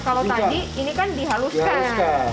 kalau tadi ini kan dihaluskan